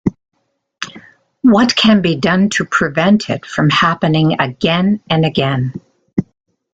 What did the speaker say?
What can be done to prevent it from happening again and again?